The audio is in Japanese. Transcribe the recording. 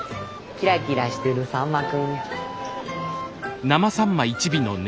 キラキラしてるさんまくん。